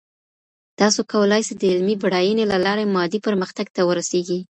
تاسو کولای سئ د علمي بډاينې له لاري مادي پرمختګ ته ورسېږئ.